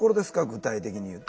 具体的に言うと。